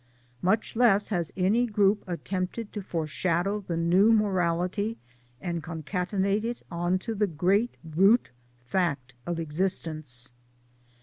Much less has any group attempted to foreshadow the new Morality, and concatenate it on to the great root fact of existence.